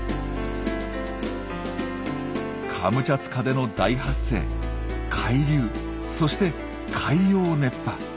カムチャツカでの大発生海流そして海洋熱波。